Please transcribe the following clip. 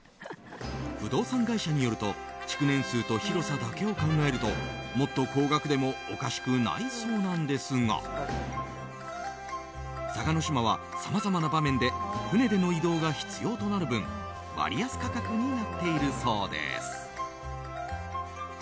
不動産会社によると築年数と広さだけを考えるともっと高額でもおかしくないそうなんですが嵯峨島は、さまざまな場面で船での移動が必要となる分割安価格になっているそうです。